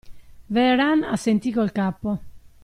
Vehrehan assentí col capo.